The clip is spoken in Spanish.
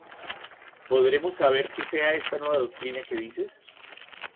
¿Podremos saber qué sea esta nueva doctrina que dices?